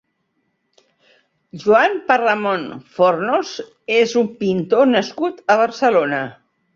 Joan Parramón Fornos és un pintor nascut a Barcelona.